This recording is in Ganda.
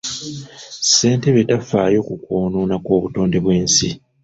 Ssentebe tafaayo ku kwonoona kw'obutonde bw'ensi.